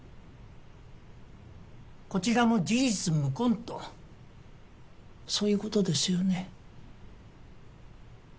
こちらも事実無根とそういうことですよね？